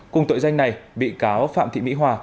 cùng tội danh này bị cáo phạm thị mỹ hòa